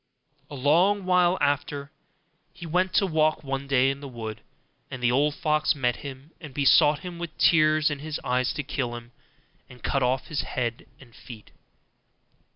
A long while after, he went to walk one day in the wood, and the old fox met him, and besought him with tears in his eyes to kill him, and cut off his head and feet.